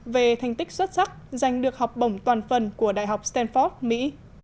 về thành tích xuất sắc giành được học bổng toàn phần của đại học stanford mỹ